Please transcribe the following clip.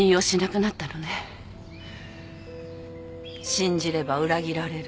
信じれば裏切られる。